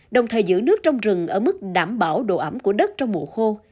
đồng thời giữ nước trong rừng ở mức đảm bảo độ ẩm của đất trong mùa khô